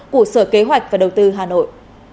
của sở kế hoạch và đầu tư hà nội